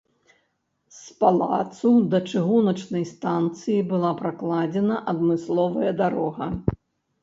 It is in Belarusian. З палацу да чыгуначнай станцыі была пракладзена адмысловая дарога.